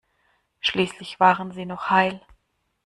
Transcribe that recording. Schließlich waren sie noch heil.